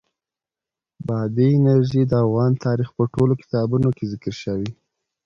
بادي انرژي د افغان تاریخ په ټولو کتابونو کې ذکر شوې.